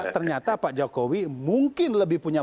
ternyata pak jokowi mungkin lebih punya